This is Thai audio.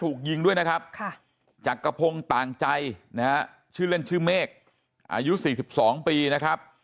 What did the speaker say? ถูกยิงด้วยนะครับจักรพงศ์ต่างใจนะฮะชื่อเล่นชื่อเมฆอายุ๔๒ปีนะครับ